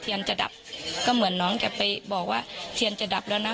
เที่ยนจะดับก็เหมือนน้องเเห็บไปบอกว่าเที่ยนจะดับละนะ